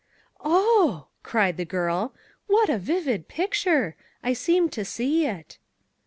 "Oh," cried the girl, "what a vivid picture! I seem to see it."